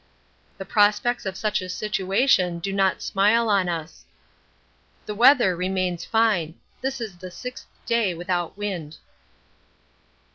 The prospects of such a situation do not smile on us. The weather remains fine this is the sixth day without wind.